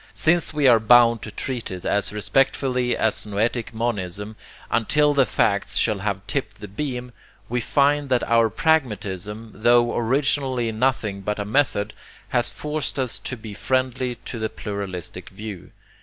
Since we are bound to treat it as respectfully as noetic monism, until the facts shall have tipped the beam, we find that our pragmatism, tho originally nothing but a method, has forced us to be friendly to the pluralistic view.